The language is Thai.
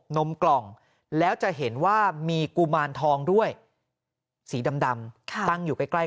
นมกล่องแล้วจะเห็นว่ามีกุมารทองด้วยสีดำตั้งอยู่ใกล้